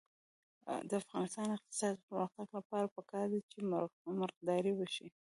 د افغانستان د اقتصادي پرمختګ لپاره پکار ده چې مرغداري وشي.